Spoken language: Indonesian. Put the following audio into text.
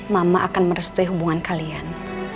mama akan merestui hubungan kalian